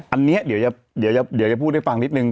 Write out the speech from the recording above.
อันนี้เดี๋ยวจะพูดให้ฟังนิดนึง